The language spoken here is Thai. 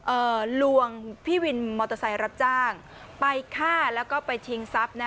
ลวงพี่วินมอเตอร์ไซค์รับจ้างไปฆ่าแล้วก็ไปชิงทรัพย์นะ